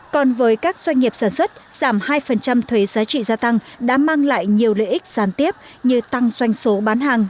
còn với các doanh nghiệp sản xuất giảm hai thuế giá trị gia tăng đã mang lại nhiều lợi ích sản tiếp như tăng doanh số bán hàng